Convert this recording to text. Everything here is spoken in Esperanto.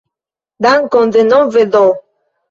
Dankon denove do!